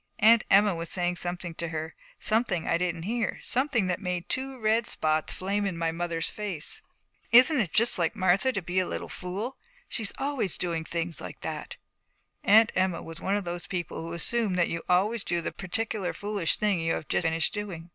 Aunt Emma was saying something to her, something that I didn't hear, something that made two red spots flame in my mother's face. 'Isn't it just like Martha to be a little fool! She's always doing things like that.' Aunt Emma was one of those people who assume that you always do the particular foolish thing you have just finished doing.